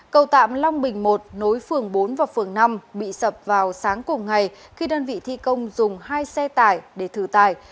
cầu tạm long bình một nối phường bốn và phường năm bị sập vào sáng cùng ngày khi đơn vị thi công dùng hai xe tải để thử tải